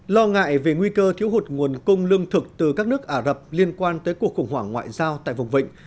lo ngại về nguy cơ thiếu hụt nguồn cung lương thực từ các nước ả rập liên quan tới cuộc khủng hoảng ngoại giao tại vùng vịnh